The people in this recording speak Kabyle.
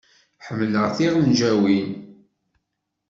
Ḥemmleɣ tiɣenjayin.